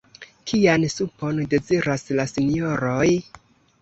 Kian supon deziras la Sinjoroj?